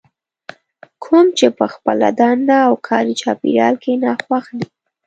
کوم چې په خپله دنده او کاري چاپېريال کې ناخوښ دي.